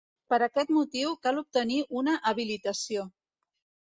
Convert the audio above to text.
Per aquest motiu, cal obtenir una habilitació.